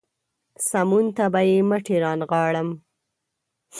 سمون ته به يې مټې رانغاړم.